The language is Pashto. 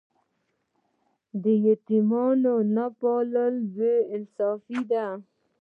د یتیمانو نه پالل بې انصافي ده.